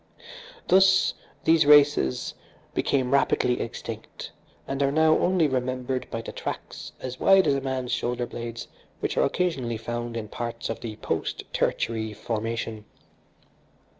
Thus, these races became rapidly extinct, and are now only remembered by the tracks as wide as a man's shoulderblades which are occasionally found in parts of the post tertiary formation."